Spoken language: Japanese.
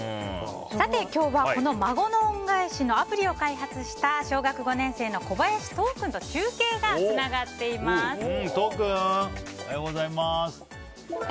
さて、今日はこの「孫の恩返し」のアプリを開発した小学５年生の小林都央君と都央君、おはようございます。